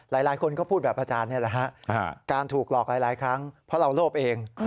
หลายคนก็พูดแบบอาจารย์นี่แหละฮะการถูกหลอกหลายครั้งเพราะเราโลภเอง